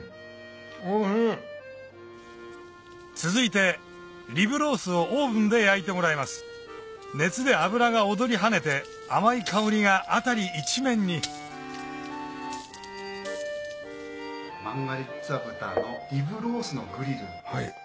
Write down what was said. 続いてリブロースをオーブンで焼いてもらいます熱で脂が躍り跳ねて甘い香りが辺り一面にマンガリッツァ豚のリブロースのグリルです。